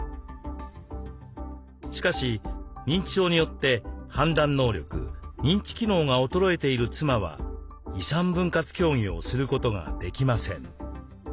しかし認知症によって判断能力認知機能が衰えている妻は遺産分割協議をすることができません。